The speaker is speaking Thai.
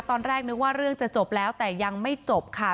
ตอนแรกนึกว่าเรื่องจะจบแล้วแต่ยังไม่จบค่ะ